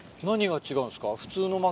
何が違うんですか？